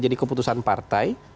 jadi keputusan partai